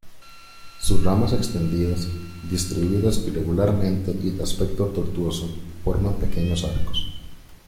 Sus ramas extendidas, distribuidas irregularmente y de aspecto tortuoso, forman pequeños arcos.